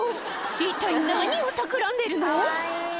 一体何をたくらんでるの？